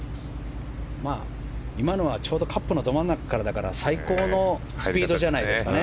今のはちょうどカップのど真ん中からだから最高のスピードじゃないですかね。